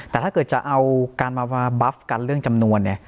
แต่ถ้าเกิดจะเอาการมาบัฟกันเรื่องจำนวนเนี่ย